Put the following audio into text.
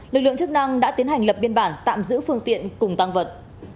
lực lượng chức năng đã tiến hành lập biên bản tạm giữ phương tiện cùng tăng vật